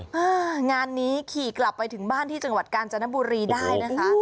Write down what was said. งานนี้ขี่กลับไปถึงบ้านที่จังหวัดกาญจนบุรีได้นะคะ